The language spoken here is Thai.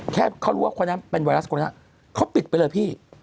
แค่เขารู้ว่าคนนั้นเป็นไวรัสคนนั้นเขาปิดไปเลยพี่